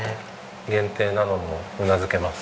限定なのもうなずけます。